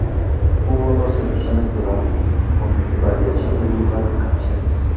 Hubo dos ediciones del álbum, con variación de un par de canciones.